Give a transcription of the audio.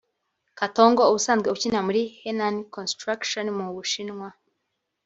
Katongo ubusanzwe ukina muri Henan Construction mu Ubushinwa